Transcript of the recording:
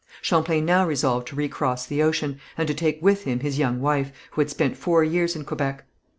Champlain now resolved to recross the ocean, and to take with him his young wife, who had spent four years in Quebec.